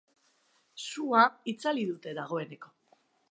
Sua itzali dute dagoeneko.